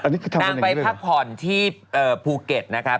นางไปพักผ่อนที่ภูเก็ตนะครับ